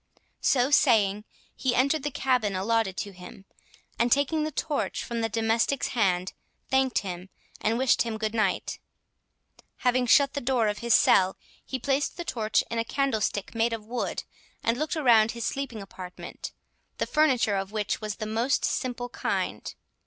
So saying, he entered the cabin allotted to him, and taking the torch from the domestic's hand, thanked him, and wished him good night. Having shut the door of his cell, he placed the torch in a candlestick made of wood, and looked around his sleeping apartment, the furniture of which was of the most simple kind.